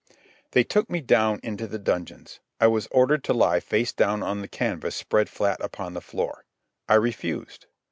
They took me down into the dungeons. I was ordered to lie face downward on the canvas spread flat upon the floor. I refused.